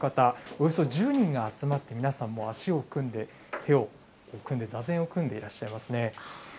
およそ１０人が集まって、皆さん、足を組んで、手を組んで、座禅を組んでいらっしゃいますね。